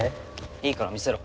いいから見せろ。